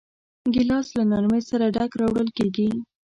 ګیلاس له نرمۍ سره ډک راوړل کېږي.